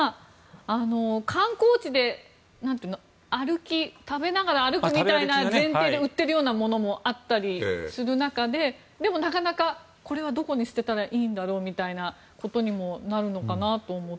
観光地で食べながら歩くみたいな前提で売っているようなものもあったりする中ででも、なかなかこれはどこに捨てたらいいんだろうみたいなことにもなるのかなと思って。